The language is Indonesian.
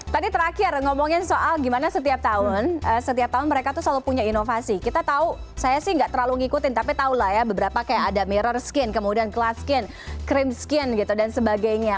tadi terakhir ngomongin soal gimana setiap tahun setiap tahun mereka tuh selalu punya inovasi kita tahu saya sih nggak terlalu ngikutin tapi tau lah ya beberapa kayak ada mirror skin kemudian kelas skin cream skin gitu dan sebagainya